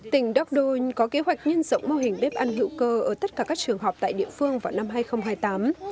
tỉnh dorcdon có kế hoạch nhân rộng mô hình bếp ăn hữu cơ ở tất cả các trường học tại địa phương vào năm hai nghìn hai mươi tám